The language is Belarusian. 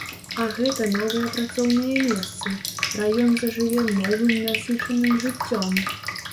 А гэта новыя працоўныя месцы, раён зажыве новым насычаным жыццём.